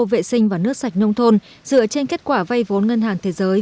vệ sinh và nước sạch nông thôn dựa trên kết quả vây vốn ngân hàng thế giới